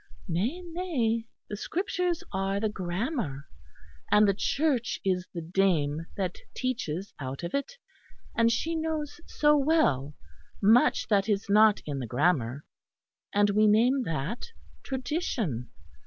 Nay, nay; the Scriptures are the grammar, and the Church is the dame that teaches out of it, and she knows so well much that is not in the grammar, and we name that tradition.